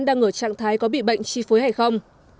đang ở trạng thái có bị bệnh chi phối hay không